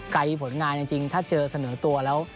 ผลงานจริงถ้าเจอเสนอตัวแล้ว